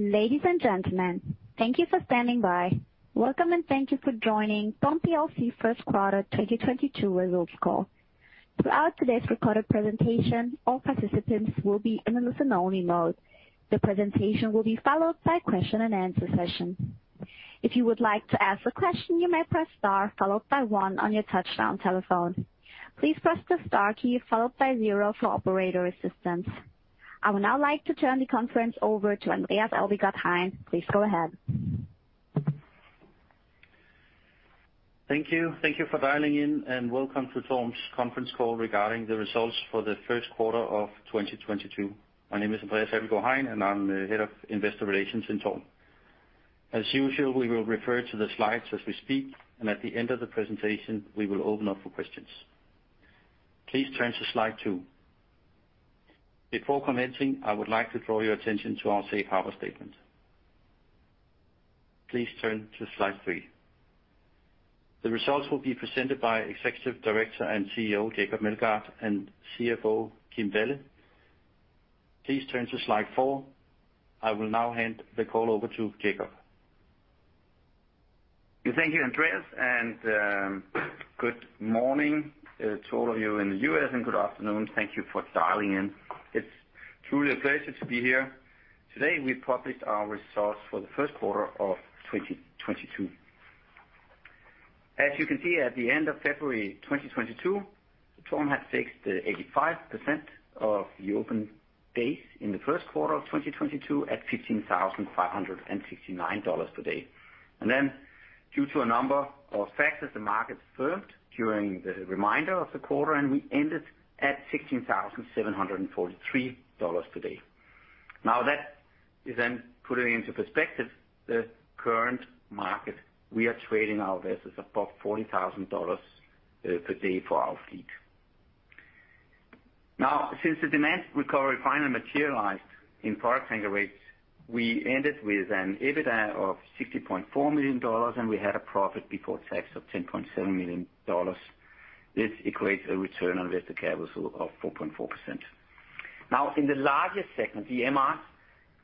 Ladies and gentlemen, thank you for standing by. Welcome and thank you for joining TORM plc first quarter 2022 results call. Throughout today's recorded presentation, all participants will be in a listen-only mode. The presentation will be followed by question and answer session. If you would like to ask a question, you may press star followed by one on your touch-tone telephone. Please press the star key followed by zero for operator assistance. I would now like to turn the conference over to Andreas Abildgaard-Hein. Please go ahead. Thank you. Thank you for dialing in, and welcome to TORM's conference call regarding the results for the first quarter of 2022. My name is Andreas Abildgaard-Hein, and I'm the Head of Investor Relations in TORM. As usual, we will refer to the slides as we speak, and at the end of the presentation, we will open up for questions. Please turn to slide 2. Before commencing, I would like to draw your attention to our safe harbor statement. Please turn to slide 3. The results will be presented by Executive Director and CEO Jacob Meldgaard and CFO Kim Balle. Please turn to slide 4. I will now hand the call over to Jacob. Thank you, Andreas, and good morning to all of you in the US and good afternoon. Thank you for dialing in. It's truly a pleasure to be here. Today, we published our results for the first quarter of 2022. As you can see, at the end of February 2022, TORM had fixed 85% of the open days in the first quarter of 2022 at $15,569 per day. Due to a number of factors, the market firmed during the remainder of the quarter, and we ended at $16,743 per day. Now, that is then putting into perspective the current market. We are trading our vessels above $40,000 per day for our fleet. Since the demand recovery finally materialized in product tanker rates, we ended with an EBITDA of $60.4 million, and we had a profit before tax of $10.7 million. This equates to a return on invested capital of 4.4%. In the largest segment, the MRs,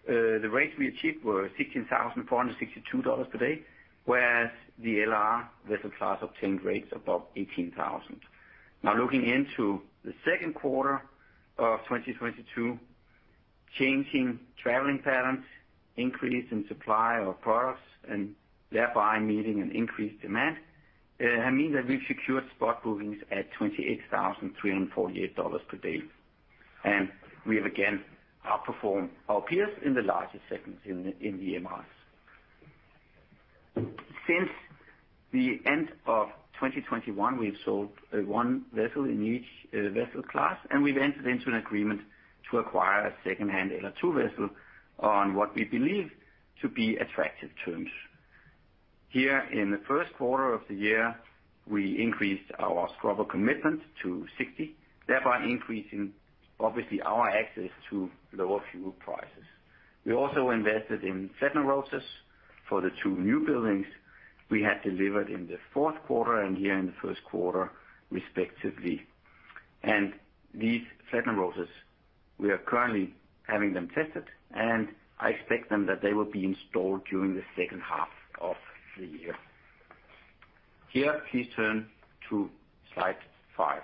the rates we achieved were $16,462 per day, whereas the LR vessel class obtained rates above $18,000. Looking into the second quarter of 2022, changing traveling patterns, increase in supply of products, and thereby meeting an increased demand means that we've secured spot bookings at $28,348 per day. We have again outperformed our peers in the largest segments in the MRs. Since the end of 2021, we've sold one vessel in each vessel class, and we've entered into an agreement to acquire a secondhand LR2 vessel on what we believe to be attractive terms. Here in the first quarter of the year, we increased our scrubber commitment to 60, thereby increasing obviously our access to lower fuel prices. We also invested in Flettner rotors for the two newbuildings we had delivered in the fourth quarter and here in the first quarter, respectively. These Flettner rotors, we are currently having them tested, and I expect them that they will be installed during the second half of the year. Here, please turn to slide five.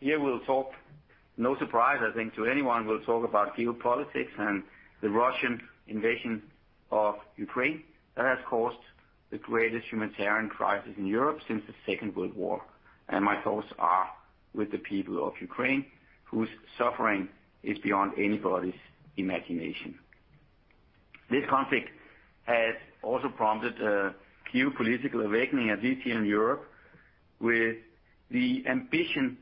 Here we'll talk, no surprise, I think, to anyone, we'll talk about geopolitics and the Russian invasion of Ukraine that has caused the greatest humanitarian crisis in Europe since the Second World War. My thoughts are with the people of Ukraine whose suffering is beyond anybody's imagination. This conflict has also prompted a geopolitical awakening, at least here in Europe, with the ambition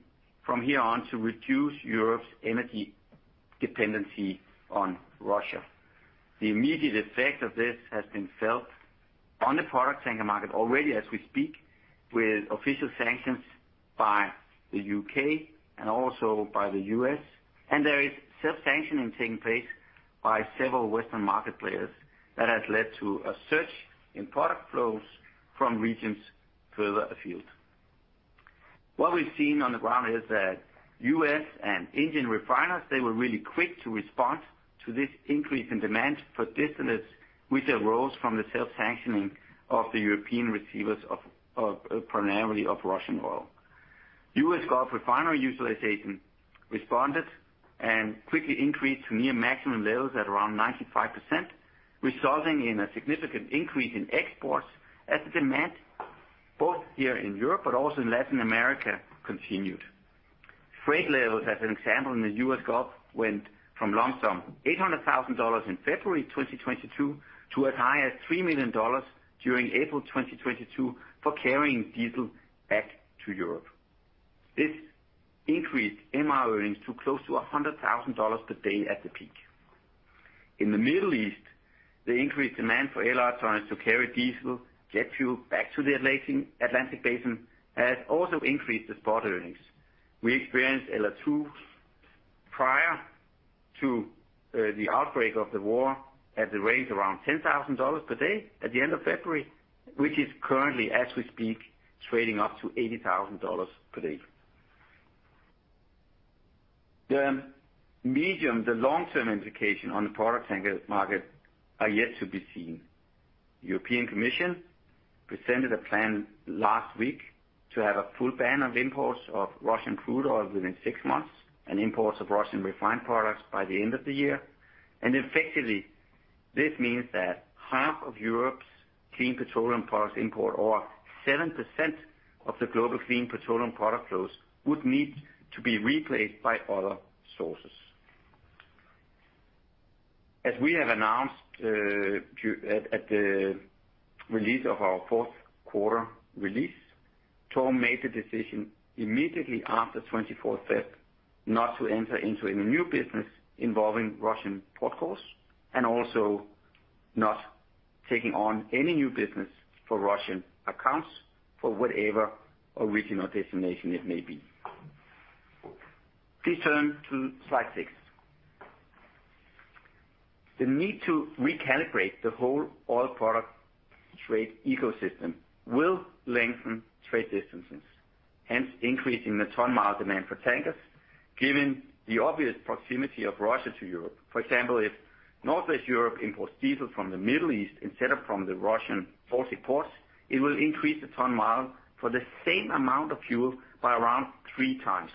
from here on to reduce Europe's energy dependency on Russia. The immediate effect of this has been felt on the product tanker market already as we speak with official sanctions by the U.K. and also by the U.S. There is self-sanctioning taking place by several Western market players that has led to a surge in product flows from regions further afield. What we've seen on the ground is that US and Indian refiners, they were really quick to respond to this increase in demand for distillates which arose from the self-sanctioning of the European receivers of primarily of Russian oil. US Gulf refinery utilization responded and quickly increased to near maximum levels at around 95%, resulting in a significant increase in exports as demand both here in Europe but also in Latin America continued. Freight levels, as an example, in the US Gulf went from long term $800,000 in February 2022 to as high as $3 million during April 2022 for carrying diesel back to Europe. This increased MR earnings to close to $100,000 per day at the peak. In the Middle East, the increased demand for LR tankers to carry diesel, jet fuel back to the Atlantic Basin has also increased the spot earnings. We experienced LR2 prior to the outbreak of the war at the rates around $10,000 per day at the end of February, which is currently, as we speak, trading up to $80,000 per day. The medium to long term implication on the product tankers market are yet to be seen. European Commission presented a plan last week to have a full ban of imports of Russian crude oil within six months and imports of Russian refined products by the end of the year. Effectively, this means that half of Europe's clean petroleum products import, or 7% of the global clean petroleum product flows, would need to be replaced by other sources. As we have announced, at the release of our fourth quarter release, TORM made the decision immediately after February 24 not to enter into any new business involving Russian port calls, and also not taking on any new business for Russian accounts for whatever original destination it may be. Please turn to slide 6. The need to recalibrate the whole oil product trade ecosystem will lengthen trade distances, hence increasing the ton-mile demand for tankers. Given the obvious proximity of Russia to Europe, for example, if Northwest Europe imports diesel from the Middle East instead of from the Russian Far East ports, it will increase the ton-mile for the same amount of fuel by around three times.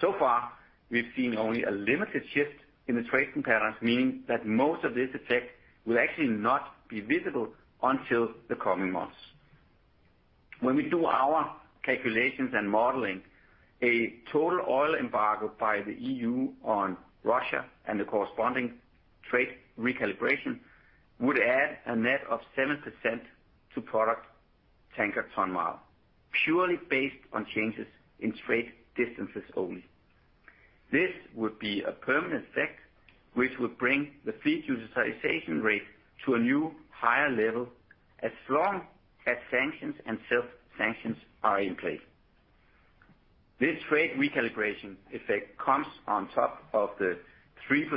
So far, we've seen only a limited shift in the trading patterns, meaning that most of this effect will actually not be visible until the coming months. When we do our calculations and modeling, a total oil embargo by the EU on Russia and the corresponding trade recalibration would add a net of 7% to product tanker ton-mile, purely based on changes in trade distances only. This would be a permanent effect, which would bring the fleet utilization rate to a new higher level as long as sanctions and self-sanctions are in place. This trade recalibration effect comes on top of the 3%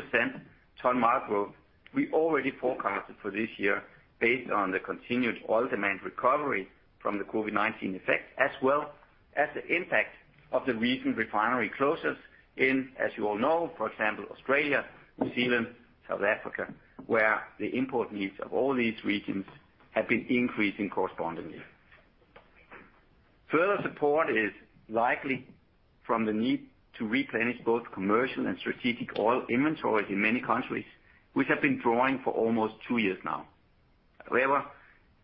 ton-mile growth we already forecasted for this year based on the continued oil demand recovery from the COVID-19 effect, as well as the impact of the recent refinery closures in, as you all know, for example, Australia, New Zealand, South Africa, where the import needs of all these regions have been increasing correspondingly. Further support is likely from the need to replenish both commercial and strategic oil inventories in many countries which have been drawing for almost two years now. However,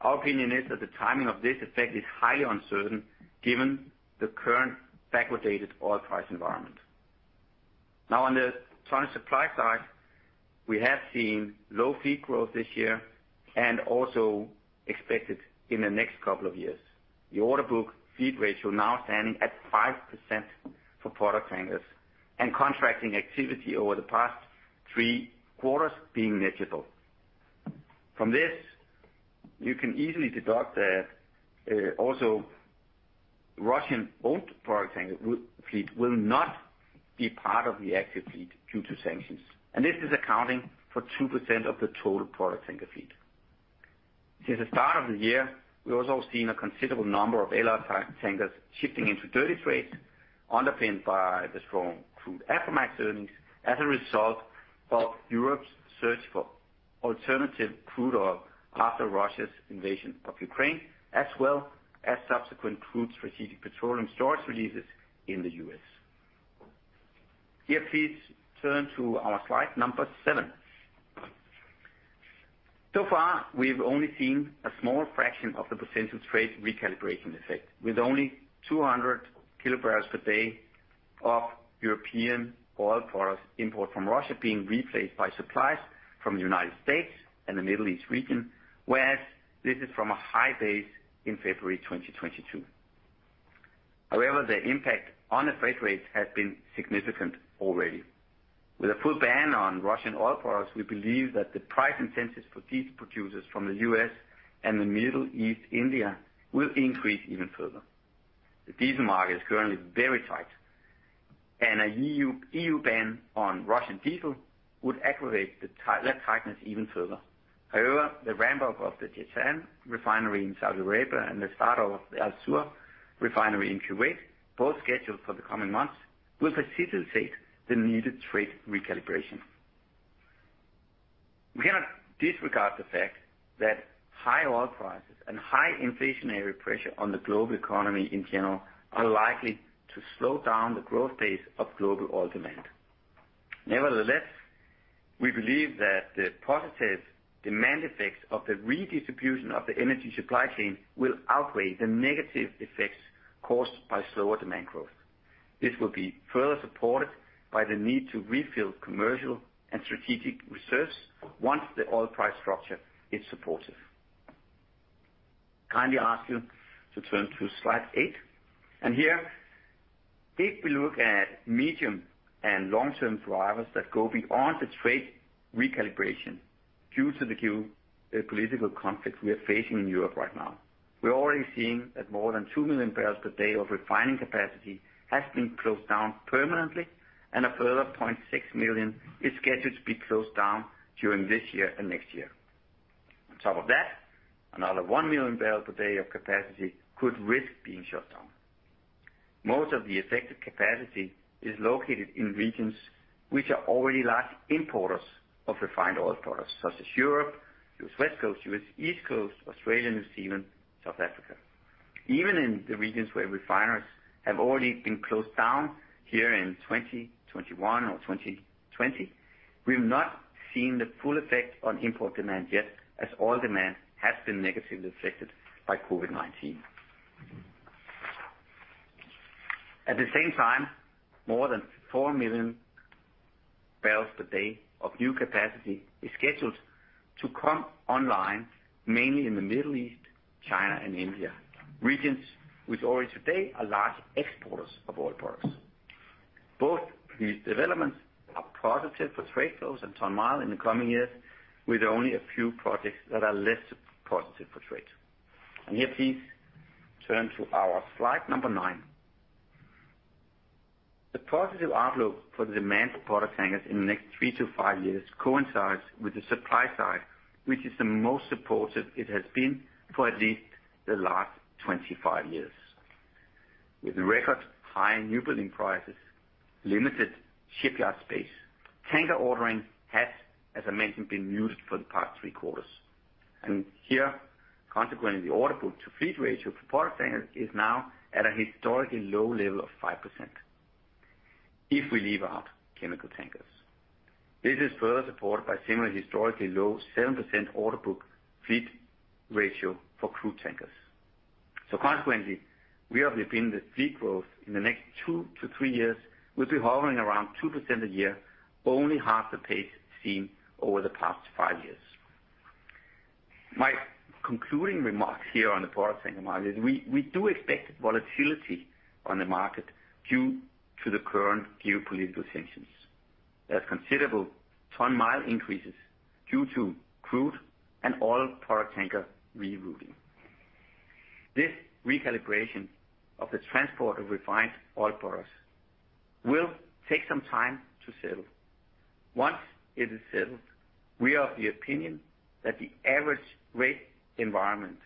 our opinion is that the timing of this effect is highly uncertain given the current backwardated oil price environment. Now on the ton-mile supply side, we have seen low fleet growth this year and also expected in the next couple of years. The orderbook-to-fleet ratio now standing at 5% for product tankers and contracting activity over the past three quarters being negligible. From this, you can easily deduce that also Russian owned product tanker world fleet will not be part of the active fleet due to sanctions, and this is accounting for 2% of the total product tanker fleet. Since the start of the year, we've also seen a considerable number of LR type tankers shifting into dirty trades, underpinned by the strong crude Aframax earnings as a result of Europe's search for alternative crude oil after Russia's invasion of Ukraine, as well as subsequent crude strategic petroleum storage releases in the U.S. Here, please turn to our slide number 7. So far, we've only seen a small fraction of the percentage trade recalibration effect, with only 200,000 barrels per day of European oil products import from Russia being replaced by supplies from the United States and the Middle East region, whereas this is from a high base in February 2022. However, the impact on the freight rates has been significant already. With a full ban on Russian oil products, we believe that the price incentives for diesel producers from the U.S. and the Middle East, India will increase even further. The diesel market is currently very tight, and an EU ban on Russian diesel would aggravate that tightness even further. However, the ramp up of the Jizan refinery in Saudi Arabia and the start of the Al-Zour refinery in Kuwait, both scheduled for the coming months, will facilitate the needed trade recalibration. We cannot disregard the fact that high oil prices and high inflationary pressure on the global economy in general are likely to slow down the growth pace of global oil demand. Nevertheless, we believe that the positive demand effects of the redistribution of the energy supply chain will outweigh the negative effects caused by slower demand growth. This will be further supported by the need to refill commercial and strategic reserves once the oil price structure is supportive. Kindly ask you to turn to slide 8, and here if we look at medium- and long-term drivers that go beyond the trade recalibration due to the geopolitical conflict we are facing in Europe right now. We're already seeing that more than 2 million barrels per day of refining capacity has been closed down permanently and a further 0.6 million is scheduled to be closed down during this year and next year. On top of that, another 1 million barrel per day of capacity could risk being shut down. Most of the affected capacity is located in regions which are already large importers of refined oil products, such as Europe, U.S. West Coast, U.S. East Coast, Australia, New Zealand, South Africa. Even in the regions where refineries have already been closed down here in 2021 or 2020, we've not seen the full effect on import demand yet, as oil demand has been negatively affected by COVID-19. At the same time, more than 4 million barrels per day of new capacity is scheduled to come online, mainly in the Middle East, China and India, regions which already today are large exporters of oil products. Both these developments are positive for trade flows and ton-mile in the coming years, with only a few projects that are less positive for trade. Yet, please turn to our slide number 9. The positive outlook for the demand for product tankers in the next 3-5 years coincides with the supply side, which is the most supportive it has been for at least the last 25 years. With record high newbuilding prices, limited shipyard space, tanker ordering has, as I mentioned, been muted for the past three quarters. Here, consequently, the orderbook-to-fleet ratio for product tankers is now at a historically low level of 5% if we leave out chemical tankers. This is further supported by similar historically low 7% orderbook-to-fleet ratio for crude tankers. Consequently, we have the opinion that fleet growth in the next 2-3 years will be hovering around 2% a year, only half the pace seen over the past five years. My concluding remarks here on the product tanker market. We do expect volatility on the market due to the current geopolitical tensions. There's considerable ton-mile increases due to crude and oil product tanker rerouting. This recalibration of the transport of refined oil products will take some time to settle. Once it is settled, we are of the opinion that the average rate environment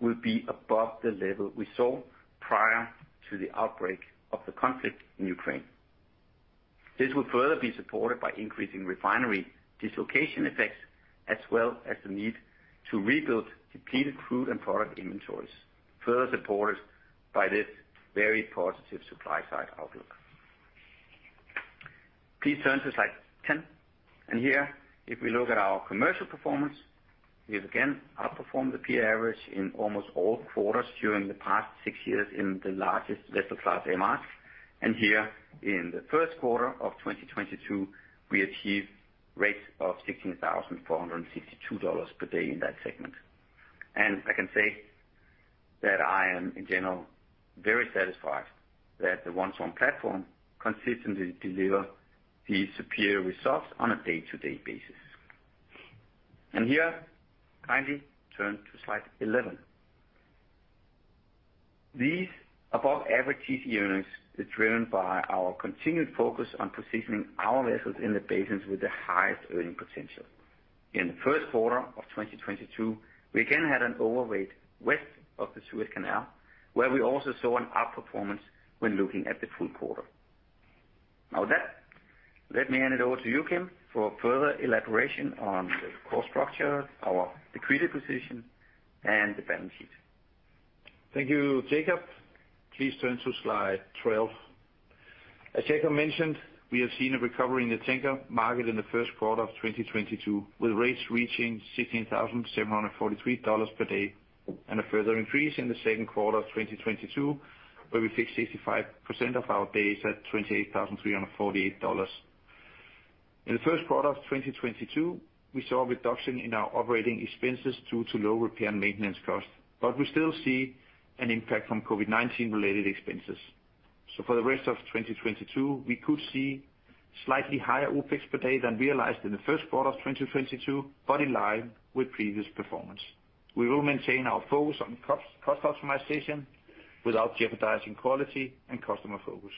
will be above the level we saw prior to the outbreak of the conflict in Ukraine. This will further be supported by increasing refinery dislocation effects, as well as the need to rebuild depleted crude and product inventories, further supported by this very positive supply side outlook. Please turn to slide 10. Here, if we look at our commercial performance, we have again outperformed the peer average in almost all quarters during the past 6 years in the largest vessel class Aframax. Here in the first quarter of 2022, we achieved rates of $16,462 per day in that segment. I can say that I am, in general, very satisfied that the One TORM platform consistently deliver these superior results on a day-to-day basis. Here, kindly turn to slide 11. These above-average TC earnings is driven by our continued focus on positioning our vessels in the basins with the highest earning potential. In the first quarter of 2022, we again had an overweight west of the Suez Canal, where we also saw an outperformance when looking at the full quarter. Now, let me hand it over to you, Kim, for further elaboration on the cost structure, our liquidity position and the balance sheet. Thank you, Jacob. Please turn to slide 12. As Jacob mentioned, we have seen a recovery in the tanker market in the first quarter of 2022, with rates reaching $16,743 per day, and a further increase in the second quarter of 2022, where we fixed 65% of our days at $28,348. In the first quarter of 2022, we saw a reduction in our operating expenses due to low repair and maintenance costs, but we still see an impact from COVID-19 related expenses. For the rest of 2022, we could see slightly higher OpEx per day than realized in the first quarter of 2022, but in line with previous performance. We will maintain our focus on cost optimization without jeopardizing quality and customer focus.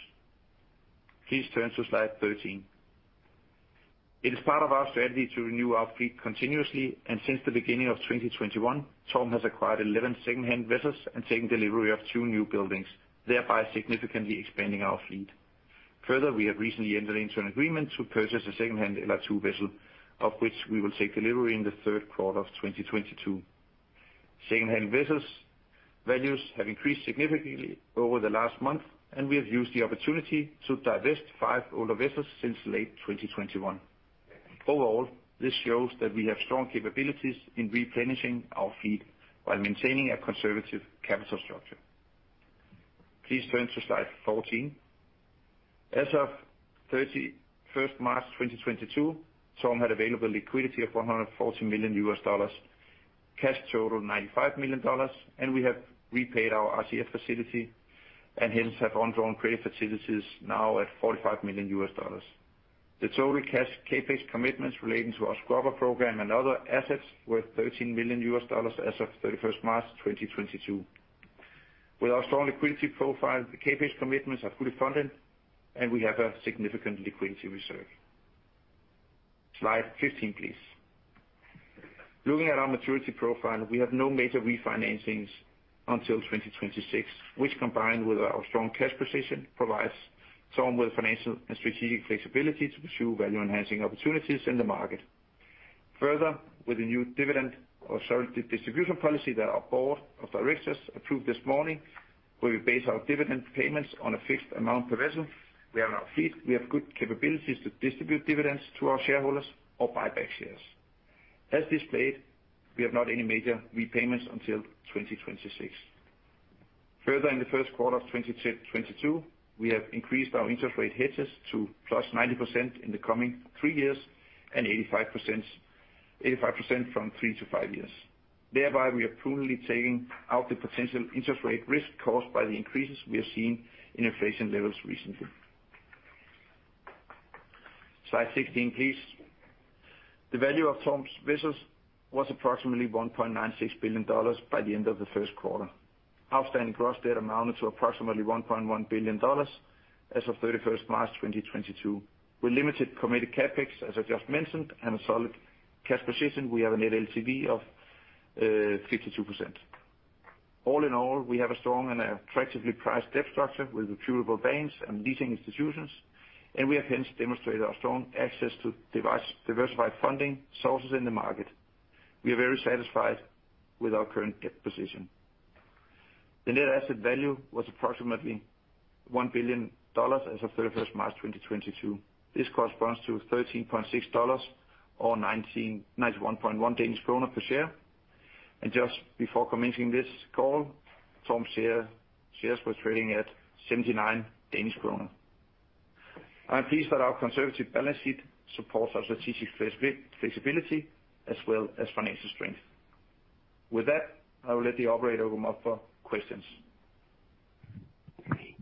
Please turn to slide 13. It is part of our strategy to renew our fleet continuously, and since the beginning of 2021, TORM has acquired 11 secondhand vessels and taken delivery of two new buildings, thereby significantly expanding our fleet. Further, we have recently entered into an agreement to purchase a secondhand LR2 vessel, of which we will take delivery in the third quarter of 2022. Secondhand vessels values have increased significantly over the last month, and we have used the opportunity to divest five older vessels since late 2021. Overall, this shows that we have strong capabilities in replenishing our fleet while maintaining a conservative capital structure. Please turn to slide 14. As of thirty-first March 2022, TORM had available liquidity of $140 million, cash total $95 million, and we have repaid our RCF facility and hence have undrawn credit facilities now at $45 million. The total cash CapEx commitments relating to our scrubber program and other assets worth $13 million as of thirty-first March 2022. With our strong liquidity profile, the CapEx commitments are fully funded, and we have a significant liquidity reserve. Slide 15, please. Looking at our maturity profile, we have no major refinancings until 2026, which combined with our strong cash position, provides us with financial and strategic flexibility to pursue value-enhancing opportunities in the market. Further, with the new dividend or sorry, the distribution policy that our board of directors approved this morning, where we base our dividend payments on a fixed amount per vessel. We are now fit. We have good capabilities to distribute dividends to our shareholders or buy back shares. As displayed, we have no major repayments until 2026. Further in the first quarter of 2022, we have increased our interest rate hedges to +90% in the coming three years and 85% from three to five years. Thereby, we are prudently taking out the potential interest rate risk caused by the increases we have seen in inflation levels recently. Slide 16, please. The value of TORM's business was approximately $1.96 billion by the end of the first quarter. Outstanding gross debt amounted to approximately $1.1 billion as of March 31st, 2022. With limited committed CapEx, as I just mentioned, and a solid cash position, we have a net LTV of 52%. All in all, we have a strong and attractively priced debt structure with reputable banks and leasing institutions, and we have hence demonstrated our strong access to diversified funding sources in the market. We are very satisfied with our current debt position. The net asset value was approximately $1 billion as of March 31st, 2022. This corresponds to $13.6 or 199.1 Danish kroner per share. Just before commencing this call, TORM shares were trading at 79 Danish kroner. I'm pleased that our conservative balance sheet supports our strategic flexibility as well as financial strength. With that, I will let the operator open up for questions.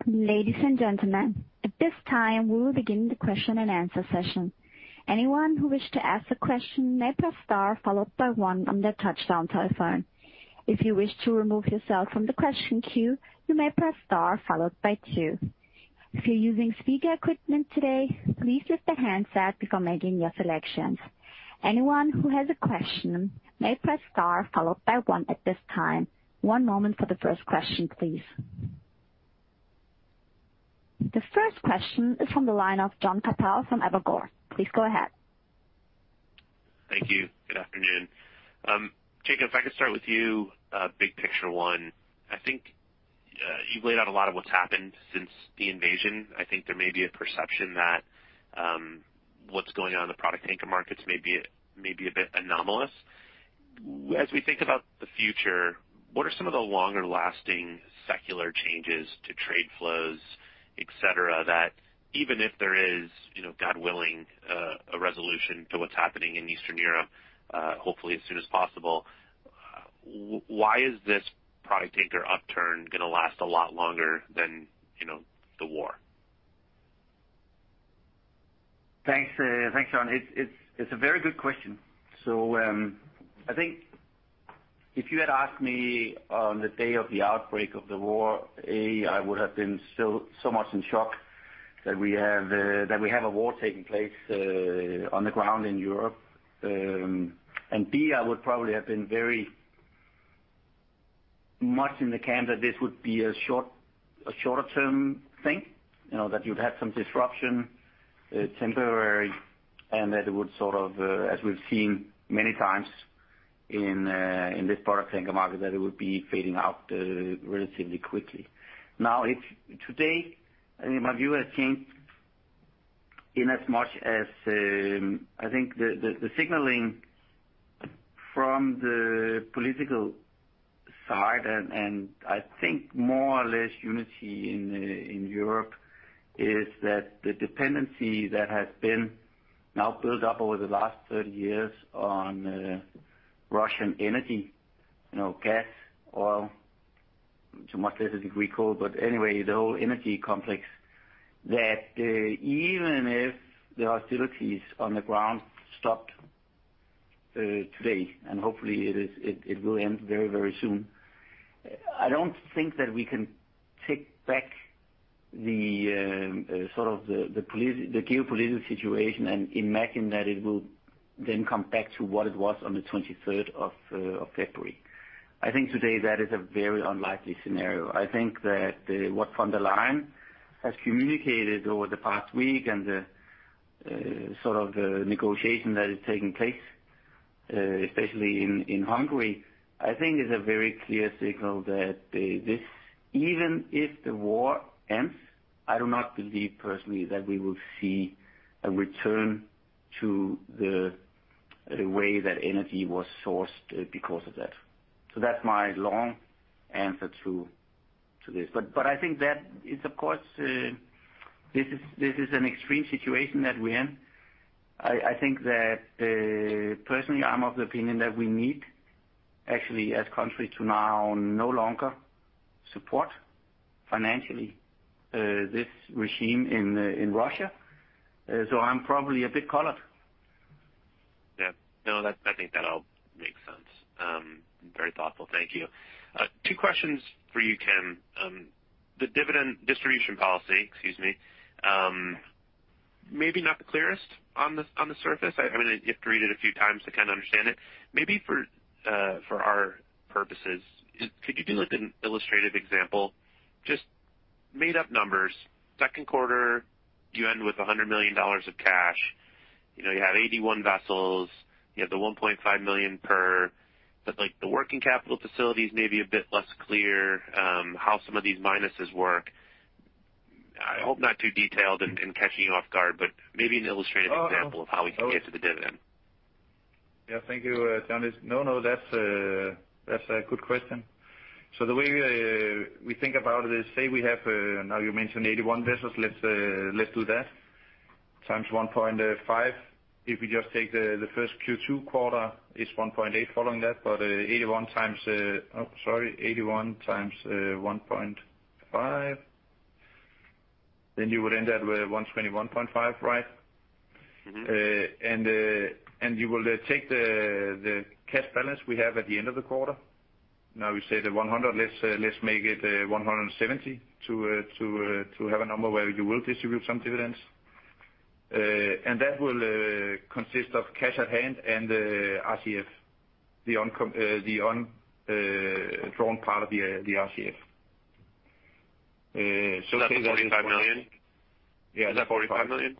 Ladies and gentlemen, at this time, we will begin the question and answer session. Anyone who wishes to ask a question may press star followed by one on their touchtone telephone. If you wish to remove yourself from the question queue, you may press star followed by two. If you're using speaker equipment today, please lift the handset before making your selections. Anyone who has a question may press star followed by one at this time. One moment for the first question, please. The first question is from the line of Jonathan Chappell from Evercore ISI. Please go ahead. Thank you. Good afternoon. Jacob, if I could start with you. Big picture one, I think you've laid out a lot of what's happened since the invasion. I think there may be a perception that what's going on in the product tanker markets may be a bit anomalous. As we think about the future, what are some of the longer-lasting secular changes to trade flows, et cetera, that even if there is, you know, God willing, a resolution to what's happening in Eastern Europe, hopefully as soon as possible, why is this product tanker upturn gonna last a lot longer than, you know, the war? Thanks, Jonathan Chappell. It's a very good question. I think if you had asked me on the day of the outbreak of the war, A, I would have been so much in shock that we have a war taking place on the ground in Europe. B, I would probably have been very much in the camp that this would be a shorter term thing. You know, that you'd have some disruption, temporary, and that it would sort of, as we've seen many times in this product tanker market, that it would be fading out, relatively quickly. Now if today, my view has changed inasmuch as, I think the signaling from the political side and I think more or less unity in Europe is that the dependency that has been now built up over the last 30 years on Russian energy, you know, gas, oil, to much lesser degree, coal, but anyway, the whole energy complex, that even if the hostilities on the ground stopped today, and hopefully it will end very soon. I don't think that we can take back the sort of the geopolitical situation and imagine that it will then come back to what it was on the 23rd of February. I think today that is a very unlikely scenario. I think that what von der Leyen has communicated over the past week and the sort of negotiation that is taking place, especially in Hungary, I think is a very clear signal that even if the war ends, I do not believe personally that we will see a return to the way that energy was sourced because of that. That's my long answer to this. I think that is, of course, an extreme situation that we're in. I think that personally, I'm of the opinion that we need actually, as country to now no longer support financially this regime in Russia. I'm probably a bit colored. Yeah. No, that's. I think that all makes sense. Very thoughtful. Thank you. Two questions for you, Kim. The dividend distribution policy, excuse me, maybe not the clearest on the surface. I mean, you have to read it a few times to kinda understand it. Maybe for our purposes, could you do like an illustrative example, just made up numbers. Second quarter, you end with $100 million of cash. You know, you had 81 vessels. You have the 1.5 million per, but, like, the working capital facilities may be a bit less clear, how some of these minuses work. I hope not too detailed and catching you off guard, but maybe an illustrative example of how we can get to the dividend. Yeah. Thank you, John. No, that's a good question. The way we think about it is, say we have, now you mentioned 81 vessels, let's do that, times 1.5. If you just take the first Q2 quarter, it's 1.8 following that. 81 times 1.5, then you would end up with 121.5, right? Mm-hmm. You will take the cash balance we have at the end of the quarter. Now we say the $100, let's make it $170 to have a number where you will distribute some dividends. That will consist of cash at hand and RCF, the undrawn part of the RCF. So say that. Is that the $45 million? Yeah. Is that $45 million?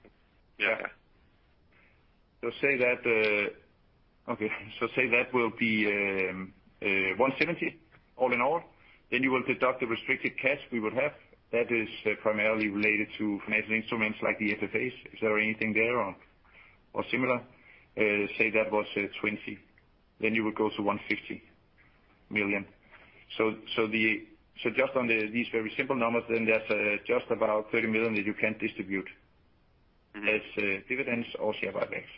Yeah. Say that will be $170 million all in all, then you will deduct the restricted cash we would have. That is primarily related to financial instruments like the FFAs. Is there anything there or similar? Say that was $20 million, then you would go to $150 million. Just on these very simple numbers, then that's just about $30 million that you can distribute. Mm-hmm. Dividends or share buybacks.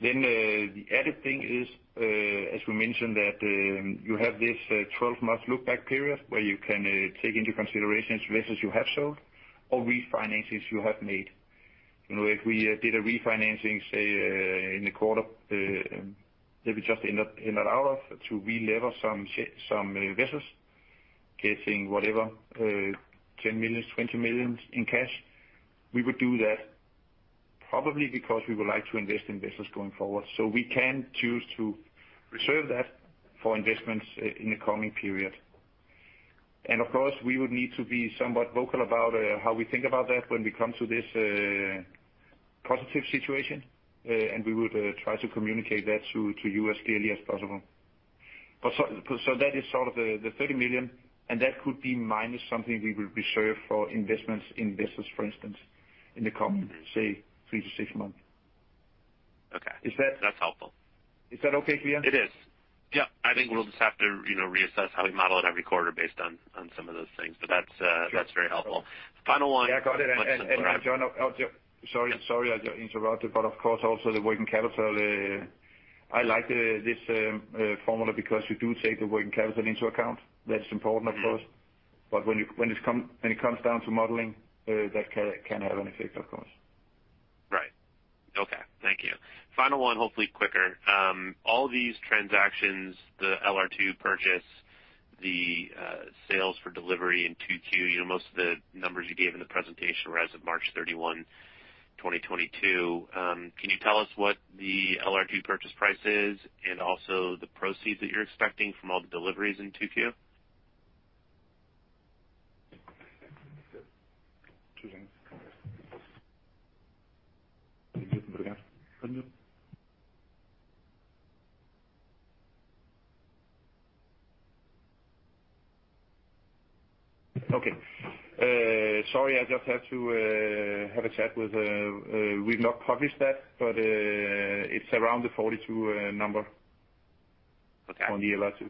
The added thing is, as we mentioned that, you have this twelve-month look back period where you can take into consideration vessels you have sold or refinances you have made. You know, if we did a refinancing, say, in the quarter that we just ended up to relever some vessels, getting whatever $10 million, $20 million in cash, we would do that probably because we would like to invest in vessels going forward. We can choose to reserve that for investments in the coming period. Of course, we would need to be somewhat vocal about how we think about that when we come to this positive situation, and we would try to communicate that to you as clearly as possible. that is sort of the $30 million, and that could be minus something we will reserve for investments in vessels, for instance, in the coming Mm-hmm. Say, 3-6 months. Okay. Is that? That's helpful. Is that okay, clear? It is. Yeah. I think we'll just have to, you know, reassess how we model it every quarter based on some of those things. But that's. Sure. That's very helpful. Final one. Yeah, got it. Much simpler. John, sorry I interrupted, but of course, also the working capital, I like this formula because you do take the working capital into account. That's important, of course. Mm-hmm. When it comes down to modeling, that can have an effect, of course. Right. Okay. Thank you. Final one, hopefully quicker. All these transactions, the LR2 purchase, the sales for delivery in Q2, you know, most of the numbers you gave in the presentation were as of March 31, 2022. Can you tell us what the LR2 purchase price is and also the proceeds that you're expecting from all the deliveries in Q2? Two things. Unmute. Okay. Sorry, I just have to have a chat with... We've not published that, but it's around the 42 number. Okay. On the LR2.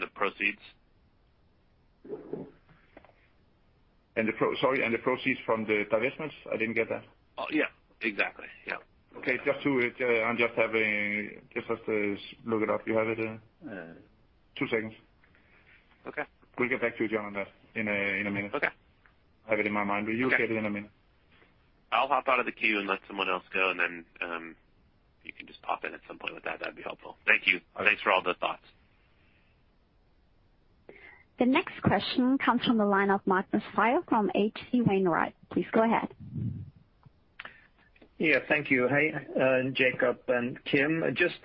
The proceeds? Sorry, the proceeds from the divestments? I didn't get that. Oh, yeah. Exactly. Yeah. Okay. Just have to look it up. You have it. Two seconds. Okay. We'll get back to you, John, in a minute. Okay. I have it in my mind, but you'll get it in a minute. I'll hop out of the queue and let someone else go, and then, you can just pop in at some point with that. That'd be helpful. Thank you. Thanks for all the thoughts. The next question comes from the line of Magnus Fyhr from H.C. Wainwright & Co. Please go ahead. Yeah, thank you. Hey, Jacob and Kim. Just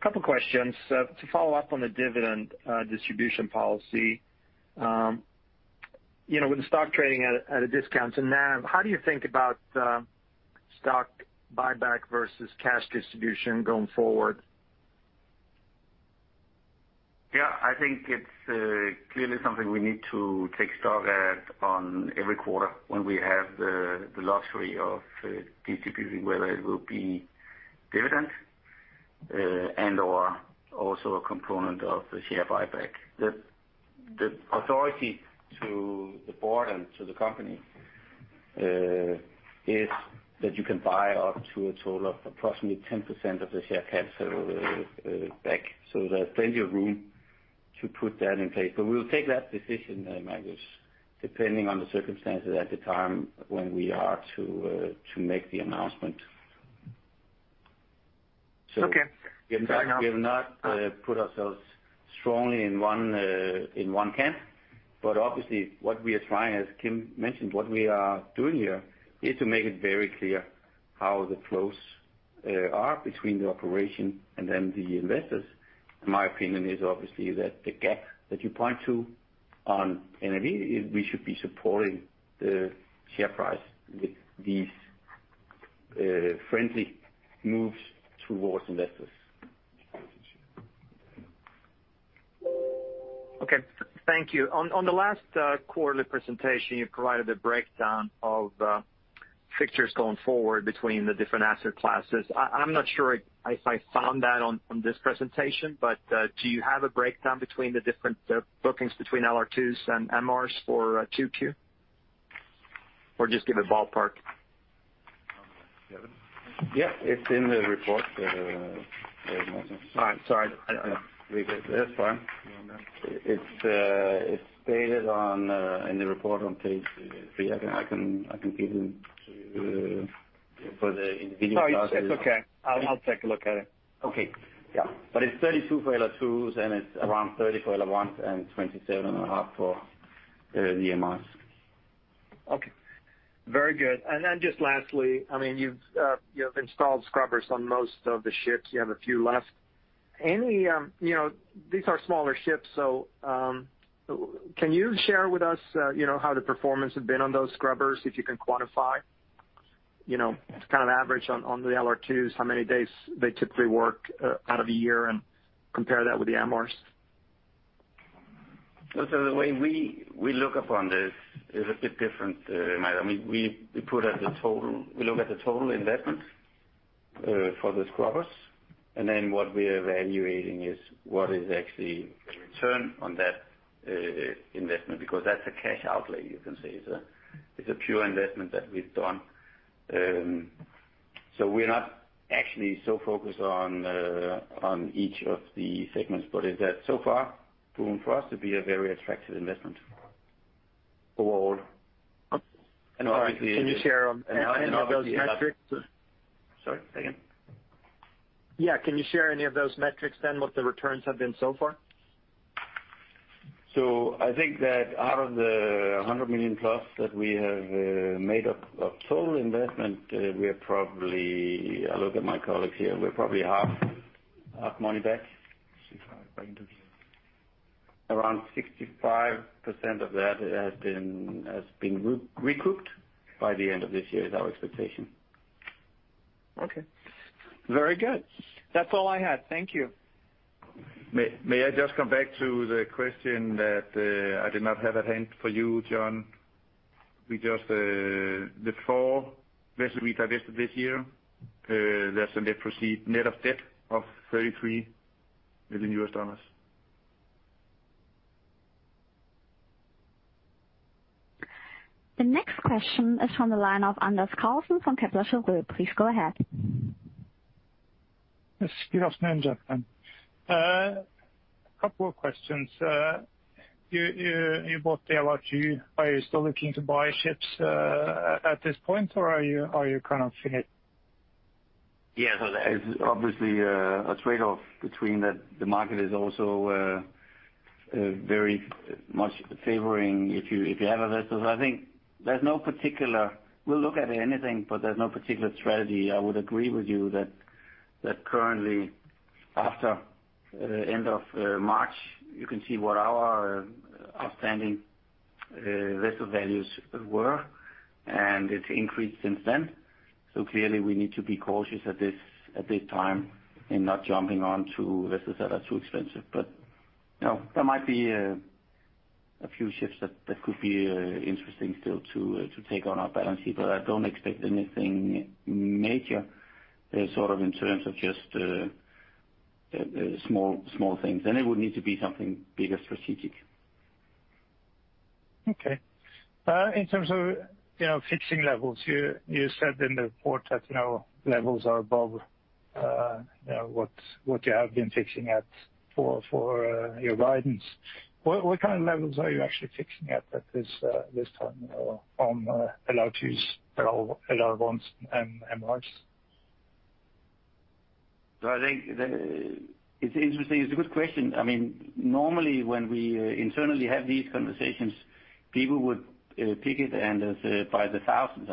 couple questions to follow up on the dividend distribution policy. You know, with the stock trading at a discount to NAV, how do you think about stock buyback versus cash distribution going forward? Yeah, I think it's clearly something we need to take stock of in every quarter when we have the luxury of distributing, whether it will be dividend and/or also a component of the share buyback. The authority to the board and to the company is that you can buy up to a total of approximately 10% of the share capital back. There's plenty of room To put that in place. We'll take that decision, Magnus, depending on the circumstances at the time when we are to make the announcement. Okay. Fair enough. We have not put ourselves strongly in one camp. Obviously, what we are trying, as Kim mentioned, what we are doing here is to make it very clear how the flows are between the operation and then the investors. My opinion is obviously that the gap that you point to on energy, we should be supporting the share price with these friendly moves towards investors. Okay. Thank you. On the last quarterly presentation, you provided a breakdown of fixtures going forward between the different asset classes. I'm not sure if I found that on this presentation, but do you have a breakdown between the different bookings between LR2s and MRs for 2Q? Or just give a ballpark. Yeah. It's in the report, Magnus. All right. Sorry. I That's fine. It's stated in the report on page three. I can give them to you for the individual classes. Oh, it's okay. I'll take a look at it. Okay. Yeah. It's 32% for LR2s, and it's around 30% for LR1s and 27.5% for the MRs. Okay, very good. Just lastly, I mean, you have installed scrubbers on most of the ships. You have a few left. Any, you know, these are smaller ships, so, can you share with us, you know, how the performance has been on those scrubbers, if you can quantify? You know, kind of average on the LR2s, how many days they typically work out of a year and compare that with the MRs. The way we look upon this is a bit different, Magnus. I mean, we put out the total, we look at the total investment for the scrubbers, and then what we're evaluating is what is actually the return on that investment, because that's a cash outlay, you can say. It's a pure investment that we've done. We're not actually so focused on each of the segments, but it has so far proven for us to be a very attractive investment overall. Obviously. All right. Can you share any of those metrics? Sorry. Say again. Yeah. Can you share any of those metrics then, what the returns have been so far? I think that out of the $100 million plus that we have made up of total investment, we are probably. I'll look at my colleagues here. We're probably half money back. Sixty-five. Around 65% of that has been recouped by the end of this year is our expectation. Okay. Very good. That's all I had. Thank you. May I just come back to the question that I did not have at hand for you, John. The four vessels we divested this year, there's a net proceeds, net of debt of $33 million. The next question is from the line of Anders Carlson from Capital Group. Please go ahead. Yes. Good afternoon, gentlemen. A couple of questions. You both say a lot. Are you still looking to buy ships at this point, or are you kind of finished? Yeah. There is obviously a trade-off between the market also very much favoring if you have a vessel. I think there's no particular strategy. We'll look at anything, but there's no particular strategy. I would agree with you that currently after end of March, you can see what our outstanding vessel values were, and it's increased since then. Clearly, we need to be cautious at this time in not jumping onto vessels that are too expensive. You know, there might be a few ships that could be interesting still to take on our balance sheet, but I don't expect anything major sort of in terms of just small things. It would need to be something bigger, strategic. Okay. In terms of, you know, fixing levels, you said in the report that now levels are above, you know, what you have been fixing at for your guidance. What kind of levels are you actually fixing at this time on LR2s, LR1s and MRs? It's interesting. It's a good question. I mean, normally when we internally have these conversations, people would pick it up and ask by the thousands.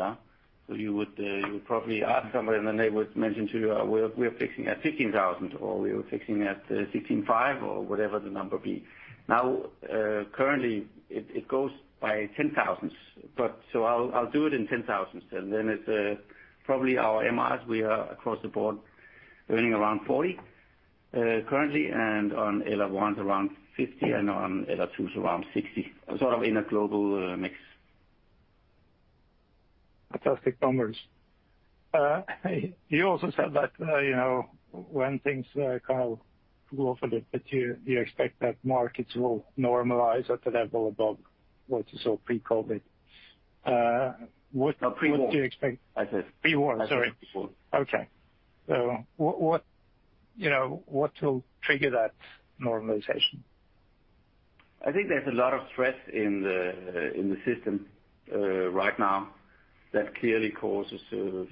You would probably ask somebody and then they would mention to you we're fixing at $15,000, or we're fixing at $16,500 or whatever the number be. Now, currently it goes by 10,000s. I'll do it in 10,000s then. It's probably our MRs we are across the board earning around $40,000 currently, and on LR1 is around $50,000 and on LR2 is around $60,000, sort of in a global mix. Fantastic numbers. You also said that, you know, when things kind of cool off a little bit, you expect that markets will normalize at a level above what you saw pre-COVID. What- No, pre-war. Do you expect? I said. Pre-war, sorry. Pre-war. Okay, what, you know, what will trigger that normalization? I think there's a lot of stress in the system right now that clearly causes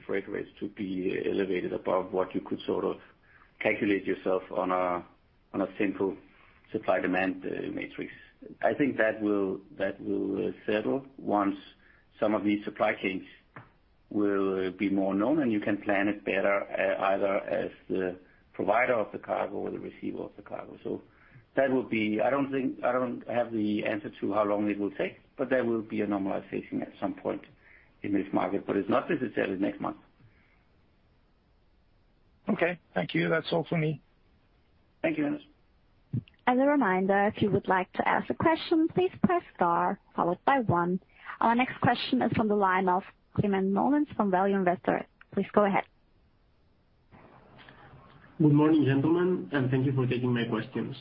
freight rates to be elevated above what you could sort of calculate yourself on a simple supply-demand matrix. I think that will settle once some of these supply chains will be more known, and you can plan it better either as the provider of the cargo or the receiver of the cargo. That will be. I don't think I have the answer to how long it will take, but there will be a normalization at some point in this market, but it's not necessarily next month. Okay. Thank you. That's all for me. Thank you, Anders. As a reminder, if you would like to ask a question, please press star followed by one. Our next question is from the line of Climent Molins from Value Investor's Edge. Please go ahead. Good morning, gentlemen, and thank you for taking my questions.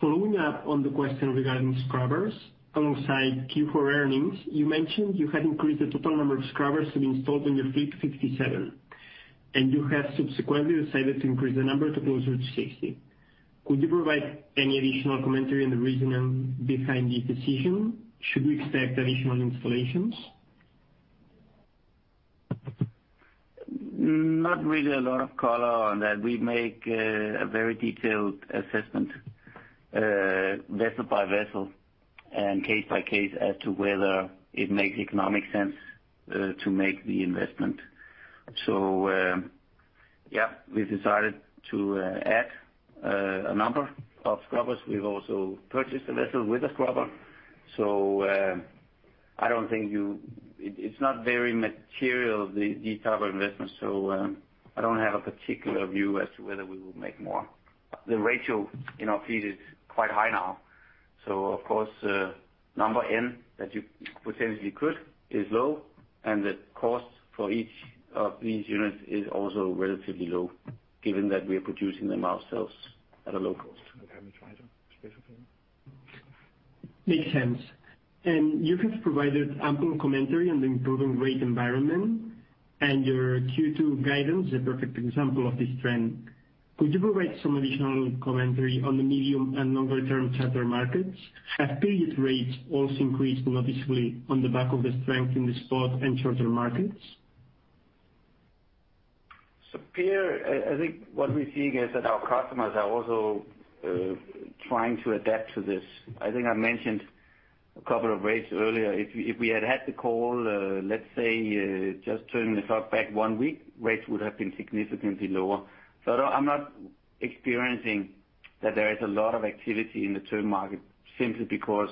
Following up on the question regarding scrubbers, alongside Q4 earnings, you mentioned you had increased the total number of scrubbers to be installed on your fleet to 57, and you have subsequently decided to increase the number to closer to 60. Could you provide any additional commentary on the reasoning behind the decision? Should we expect additional installations? Not really a lot of color on that. We make a very detailed assessment, vessel by vessel and case by case, as to whether it makes economic sense to make the investment. Yeah, we've decided to add a number of scrubbers. We've also purchased a vessel with a scrubber. I don't think it's not very material, these type of investments, so I don't have a particular view as to whether we will make more. The ratio in our fleet is quite high now. Of course, number left that you potentially could is low, and the cost for each of these units is also relatively low, given that we are producing them ourselves at a low cost. Makes sense. You have provided ample commentary on the improving rate environment, and your Q2 guidance is a perfect example of this trend. Could you provide some additional commentary on the medium and longer term charter markets? Have period rates also increased noticeably on the back of the strength in the spot and charter markets? Pierre, I think what we're seeing is that our customers are also trying to adapt to this. I think I mentioned a couple of rates earlier. If we had had the call, let's say, just turning the clock back one week, rates would have been significantly lower. I'm not experiencing that there is a lot of activity in the term market simply because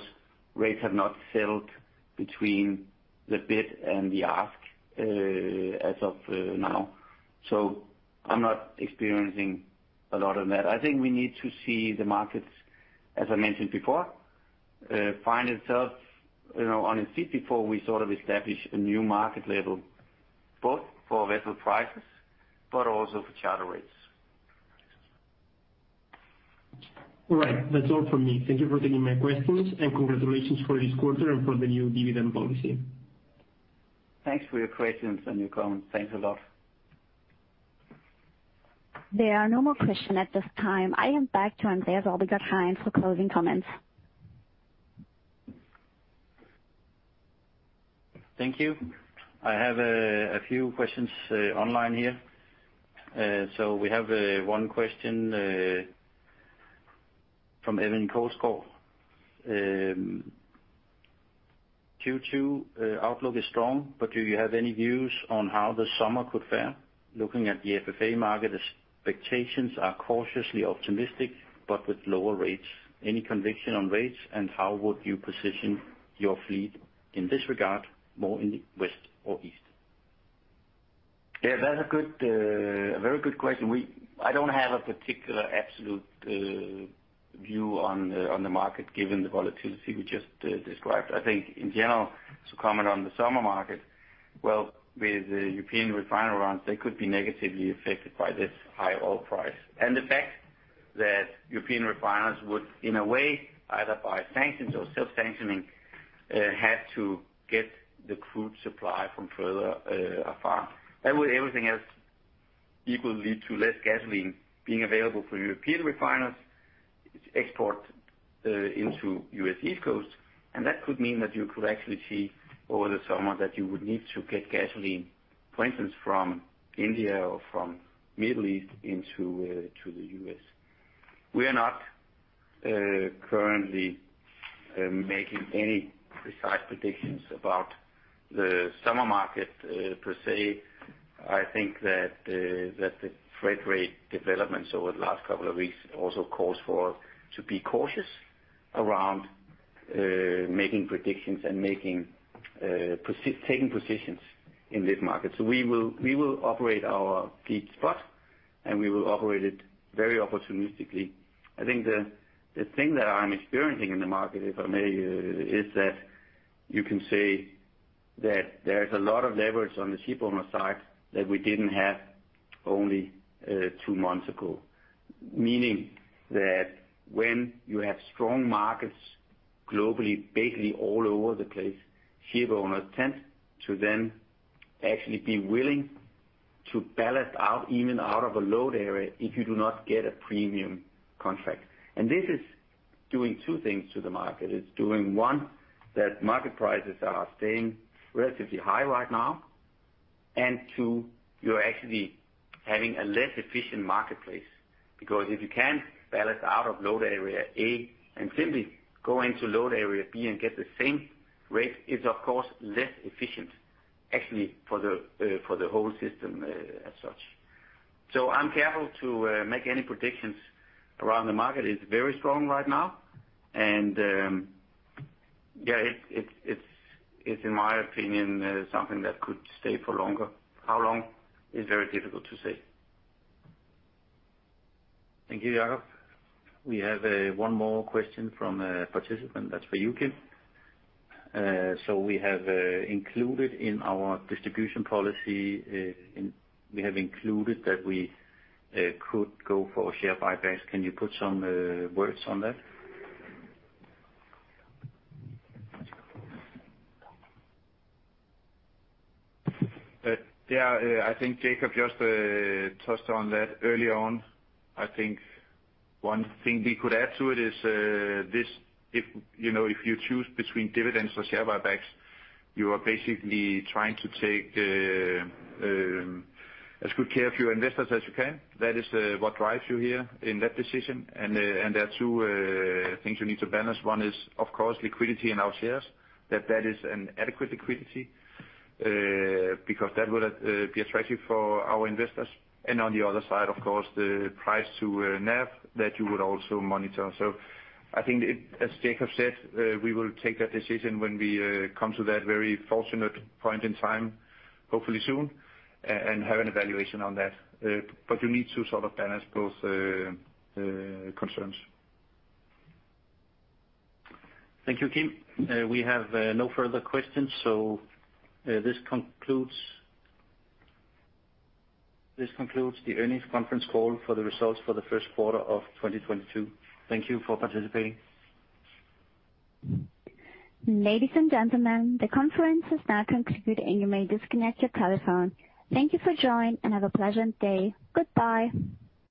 rates have not settled between the bid and the ask, as of now. I'm not experiencing a lot of that. I think we need to see the markets, as I mentioned before, find itself, you know, on its feet before we sort of establish a new market level, both for vessel prices, but also for charter rates. All right. That's all from me. Thank you for taking my questions, and congratulations for this quarter and for the new dividend policy. Thanks for your questions and your comments. Thanks a lot. There are no more questions at this time. I am back to Andreas Abildgaard-Hein for closing comments. Thank you. I have a few questions online here. So we have one question from Evan Cosco. Q2 outlook is strong, but do you have any views on how the summer could fare? Looking at the FFA market, expectations are cautiously optimistic but with lower rates. Any conviction on rates and how would you position your fleet in this regard, more in the west or east? Yeah, that's a good, a very good question. I don't have a particular absolute view on the market given the volatility we just described. I think in general, to comment on the summer market, well, with the European refiner runs, they could be negatively affected by this high oil price. The fact that European refiners would, in a way, either by sanctions or self-sanctioning, have to get the crude supply from further afar. That way, everything else equal, to less gasoline being available for European refiners export into U.S. East Coast. That could mean that you could actually see over the summer that you would need to get gasoline, for instance, from India or from Middle East into to the U.S. We are not currently making any precise predictions about the summer market per se. I think that that the freight rate developments over the last couple of weeks also calls for us to be cautious around making predictions and making taking positions in this market. We will operate our fleet spot, and we will operate it very opportunistically. I think the thing that I'm experiencing in the market, if I may, is that you can say that there's a lot of leverage on the shipper side that we didn't have only two months ago. Meaning that when you have strong markets globally, basically all over the place, ship owners tend to then actually be willing to balance out even out of a load area if you do not get a premium contract. This is doing two things to the market. It's doing, one, that market prices are staying relatively high right now. Two, you're actually having a less efficient marketplace, because if you can't balance out of load area A and simply go into load area B and get the same rate, it's of course less efficient actually for the whole system as such. I'm careful to make any predictions around the market. It's very strong right now. Yeah, it's in my opinion something that could stay for longer. How long is very difficult to say. Thank you, Jacob. We have one more question from a participant that's for you, Kim. We have included in our Distribution Policy that we could go for share buybacks. Can you put some words on that? Yeah, I think Jacob just touched on that early on. I think one thing we could add to it is this, if you know, if you choose between dividends or share buybacks, you are basically trying to take as good care of your investors as you can. That is what drives you here in that decision. There are two things you need to balance. One is of course liquidity in our shares, that is an adequate liquidity because that will be attractive for our investors. On the other side, of course, the price to NAV that you would also monitor. I think as Jacob said, we will take that decision when we come to that very fortunate point in time, hopefully soon, and have an evaluation on that. You need to sort of balance both concerns. Thank you, Kim. We have no further questions, so this concludes the earnings conference call for the results for the first quarter of 2022. Thank you for participating. Ladies and gentlemen, the conference has now concluded, and you may disconnect your telephone. Thank you for joining, and have a pleasant day. Goodbye.